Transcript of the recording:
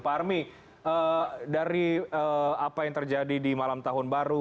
pak army dari apa yang terjadi di malam tahun baru